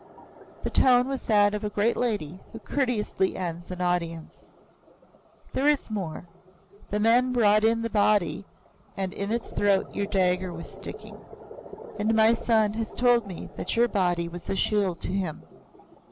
The tone was that of the great lady who courteously ends an audience. "There is more. The men brought in the body and in its throat your dagger was sticking. And my son has told me that your body was a shield to him.